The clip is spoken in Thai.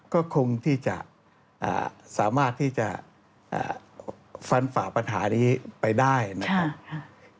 ก็คงที่จะสามารถที่จะฟันฝ่าปัญหานี้ไปได้นะครับ